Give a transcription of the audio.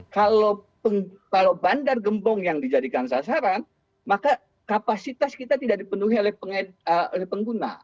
kalau bandar gembong yang dijadikan sasaran maka kapasitas kita tidak dipenuhi oleh pengguna